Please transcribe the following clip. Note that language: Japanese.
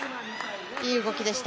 いい動きでした。